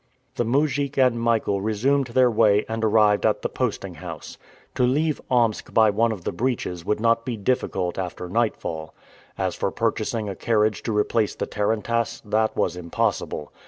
The mujik and Michael resumed their way and arrived at the posting house. To leave Omsk by one of the breaches would not be difficult after nightfall. As for purchasing a carriage to replace the tarantass, that was impossible.